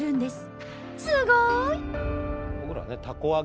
すごい！